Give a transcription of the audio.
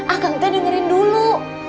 akang teh dengerin dulu